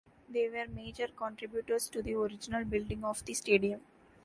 They were major contributors to the original building of the stadium.